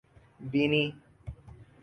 بینی